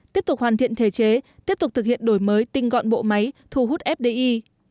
tiếp tục hoàn thiện thể chế tiếp tục thực hiện đổi mới tinh gọn bộ máy thu hút fdi